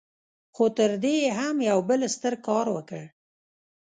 خو تر دې يې هم يو بل ستر کار وکړ.